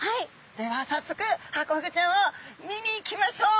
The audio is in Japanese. ではさっそくハコフグちゃんを見に行きましょう！